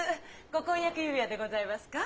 ご婚約指輪でございますか？